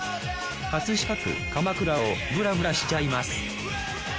飾区鎌倉をブラブラしちゃいます。